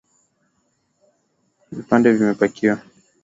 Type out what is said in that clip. Kujikaza ndio mwendo